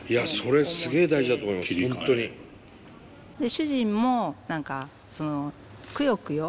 主人も何かくよくよ。